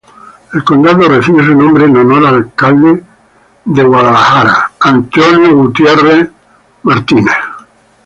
El condado recibe su nombre en honor al alcalde de Savannah William Washington Glynn.